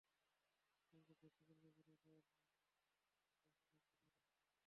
কিন্তু ঝুঁকিপূর্ণ বলে তাঁর বিলবোর্ডটি অপসারণ করা হলেও অন্যগুলো করা হয়নি।